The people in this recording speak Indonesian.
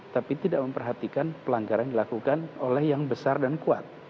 tapi tidak memperhatikan pelanggaran yang dilakukan oleh yang besar dan kuat